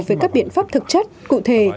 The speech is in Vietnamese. với các biện pháp thực chất cụ thể